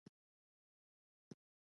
شړومبی او کوچ زما ډېر خوښ دي.